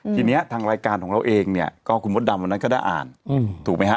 ทีนี้ทางรายการของเราเองเนี่ยก็คุณมดดำวันนั้นก็ได้อ่านถูกไหมฮะ